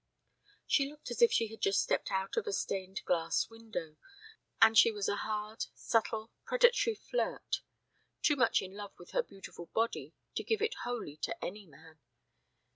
She looked as if she had just stepped out of a stained glass window, and she was a hard, subtle, predatory flirt; too much in love with her beautiful body to give it wholly to any man.